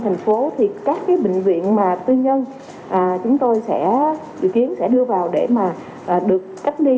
thành phố thì các cái bệnh viện mà tư nhân chúng tôi sẽ dự kiến sẽ đưa vào để mà được cách ly